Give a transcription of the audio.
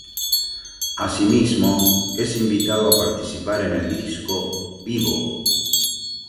Asimismo es invitado a participar en el disco “Vivo...